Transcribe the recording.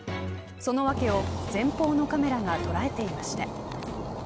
その訳を前方のカメラが捉えていました。